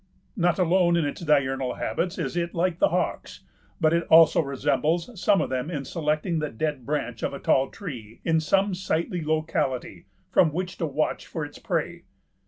Not alone in its diurnal habits is it like the hawks, but it also resembles some of them in selecting the dead branch of a tall tree in some sightly locality from which to watch for its prey.